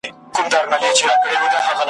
چي نجات له ابوجهله رانصیب کړي ,